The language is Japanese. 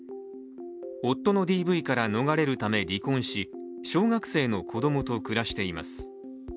夫のＤＶから逃れるため離婚し小学生の子供と暮らしています。